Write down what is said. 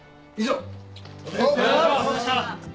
お疲れさまでした。